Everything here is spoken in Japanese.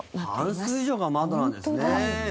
半数以上が窓なんですね吉川さん。